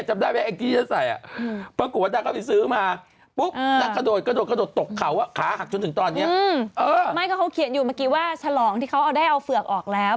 ไม่เขาเขียนอยู่เมื่อกี้ว่าฉลองที่เขาเอาได้เอาเฝือกออกแล้ว